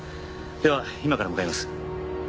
では今から向かいます。